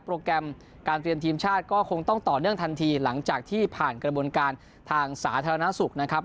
แกรมการเตรียมทีมชาติก็คงต้องต่อเนื่องทันทีหลังจากที่ผ่านกระบวนการทางสาธารณสุขนะครับ